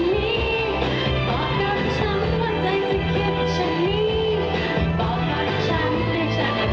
ในความฝันเรื่องมีกันใช่ไหม